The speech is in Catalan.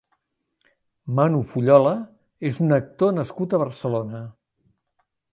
Manu Fullola és un actor nascut a Barcelona.